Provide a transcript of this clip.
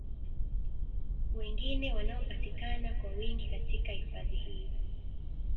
wengine wanaopatikana kwa wingi katika hifadhi hii